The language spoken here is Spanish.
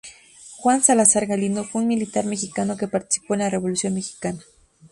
Juan Salazar Galindo fue un militar mexicano que participó en la Revolución mexicana.